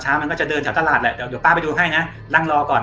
มันก็จะเดินแถวตลาดแหละเดี๋ยวเดี๋ยวป้าไปดูให้นะนั่งรอก่อน